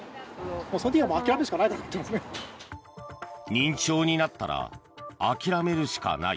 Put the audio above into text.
認知症になったら諦めるしかない。